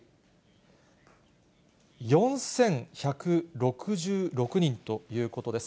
４１６６人ということです。